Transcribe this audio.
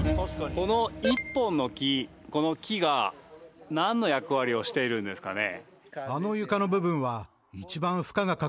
この１本の木この木が何の役割をしているんですかね